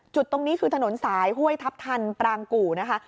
จุดตรงนี้คือถนนสายห้วยทัพทันปรางกู่นะคะ